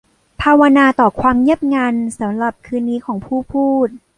ภาวนาต่อความเงียบงันสำหรับคืนนี้ของผู้พูด